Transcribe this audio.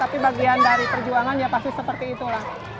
tapi bagian dari perjuangan ya pasti seperti itulah